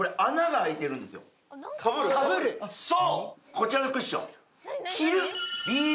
こちらのクッション・何それ？